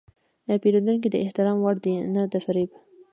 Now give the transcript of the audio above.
پیرودونکی د احترام وړ دی، نه د فریب.